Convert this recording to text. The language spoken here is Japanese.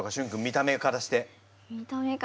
見た目からして。